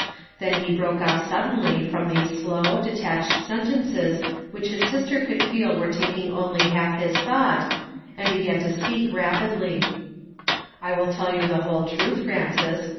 Then he broke off suddenly f"<om these slow, detached sen tences which his sister could feel were taking only half his thought, and began to speak rapidly: "I will tell you the whole truth, Prances.